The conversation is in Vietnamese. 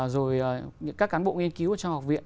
rồi các cán bộ nghiên cứu trong học viện